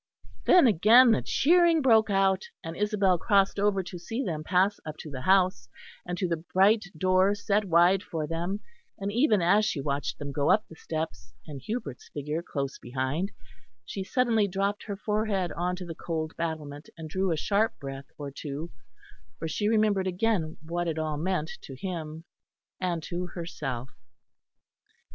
Then again the cheering broke out; and Isabel crossed over to see them pass up to the house and to the bright door set wide for them, and even as she watched them go up the steps, and Hubert's figure close behind, she suddenly dropped her forehead on to the cold battlement, and drew a sharp breath or two, for she remembered again what it all meant to him and to herself.